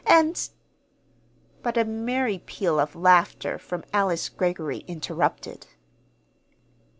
And " But a merry peal of laughter from Alice Greggory interrupted.